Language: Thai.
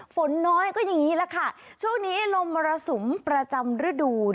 ฝนน้อยก็อย่างนี้แหละค่ะช่วงนี้ลมมรสุมประจำฤดู